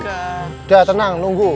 udah tenang nunggu